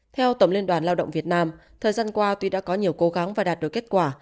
theo tổng liên đoàn lao động việt nam thời gian qua tuy đã có nhiều cố gắng và đạt được kết quả